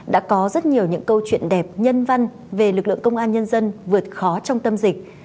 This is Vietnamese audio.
đã có rất nhiều những câu chuyện đẹp nhân văn về lực lượng công an nhân dân vượt khó trong tâm dịch